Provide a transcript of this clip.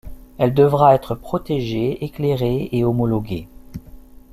Elle devra être protégée, éclairée et homologuée.